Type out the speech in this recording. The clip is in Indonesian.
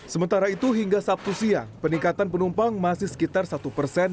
sementara itu hingga sabtu siang peningkatan penumpang masih sekitar satu persen